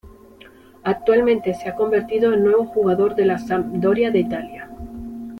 Actualmente se ha convertido en nuevo jugador de la Sampdoria de Italia.